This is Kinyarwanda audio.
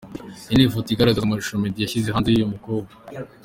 Iyi ni ifoto igaragara mu mashusho Meddy yashyize hanze y’uyu mukobwa.